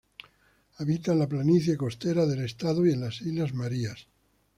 Habita en la planicie costera del estado y en las islas Marías.